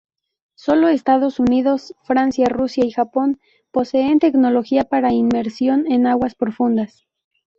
Sólo Estados Unidos, Francia, Rusia y Japón poseen tecnología para inmersión en aguas profundas.